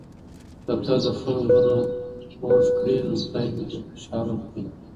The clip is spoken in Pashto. که ته د خلکو زړونه خوږ کړې نو خدای به دې خوشاله کړي.